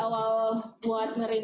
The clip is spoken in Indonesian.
karena dari awal buat ngerintis karir pun